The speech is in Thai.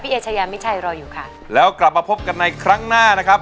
เอเชยามิชัยรออยู่ค่ะแล้วกลับมาพบกันในครั้งหน้านะครับ